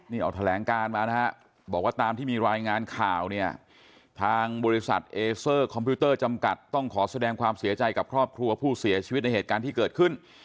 นี่ออกแถลงการมานะฮะบอกว่าตามที่มีรายงานข่าวเนี่ยทางบริษัทเอเซอร์คอมพิวเตอร์จำกัดต้องขอแสดงความเสียใจกับครอบครัวผู้เสียชีวิตในเหตุการณ์ที่เกิดขึ้น